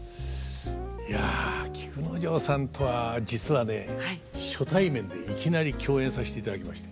いや菊之丞さんとは実はね初対面でいきなり共演させていただきました。